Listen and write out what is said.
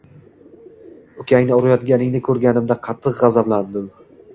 “Ukangni urayotganingni ko‘rganimda qattiq g‘azablandim.